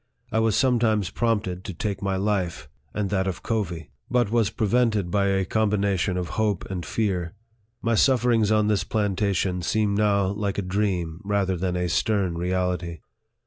I was some times prompted to take my life, and that of Covey, but 64 NARRATIVE OF THE was prevented by a combination of hope and fear My sufferings on this plantation seem now like a dream rather than a stern reality.